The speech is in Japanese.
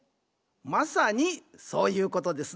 まさにそういうことですな。